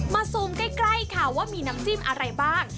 ซูมใกล้ค่ะว่ามีน้ำจิ้มอะไรบ้าง